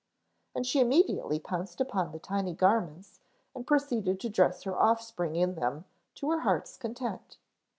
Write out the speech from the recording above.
And she immediately pounced upon the tiny garments and proceeded to dress her offspring in them to her heart's content.